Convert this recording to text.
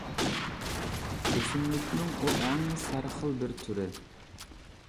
ئۆسۈملۈكنىڭ ئۇ ئەڭ سەر خىل بىر تۈرى.